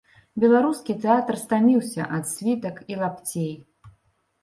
Беларускі тэатр стаміўся ад світак і лапцей.